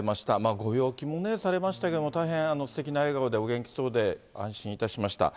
ご病気もされましたけれども、大変すてきな笑顔で、お元気そうで安心いたしました。